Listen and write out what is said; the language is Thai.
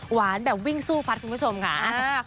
แบบวิ่งสู้ฟัดคุณผู้ชมค่ะ